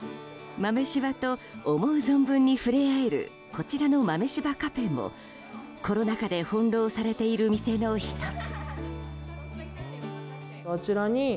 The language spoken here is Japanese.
豆しばと思う存分に触れ合えるこちらの豆柴カフェもコロナ禍で翻弄されている店の１つ。